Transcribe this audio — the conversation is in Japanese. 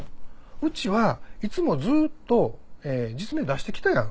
「うちはいつもずっと実名出して来たやん。